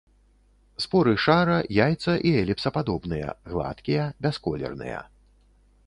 Споры шара-, яйца- і эліпсападобныя, гладкія, бясколерныя.